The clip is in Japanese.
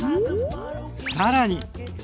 さらに！